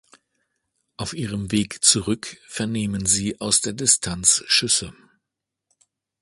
Auf ihrem Weg zurück vernehmen sie aus der Distanz Schüsse.